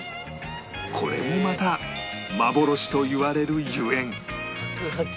これもまた幻といわれるゆえん